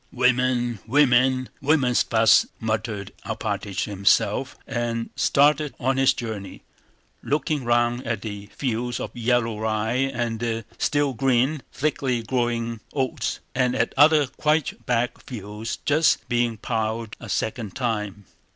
"Women, women! Women's fuss!" muttered Alpátych to himself and started on his journey, looking round at the fields of yellow rye and the still green, thickly growing oats, and at other quite black fields just being plowed a second time.